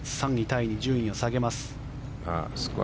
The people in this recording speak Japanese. タイに順位を下げます。